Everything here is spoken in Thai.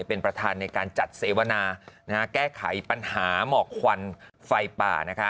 เป็นประธานในการจัดเสวนาแก้ไขปัญหาหมอกควันไฟป่า